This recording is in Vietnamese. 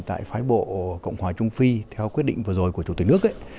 tại phái bộ cộng hòa trung phi theo quyết định vừa rồi của chủ tịch nước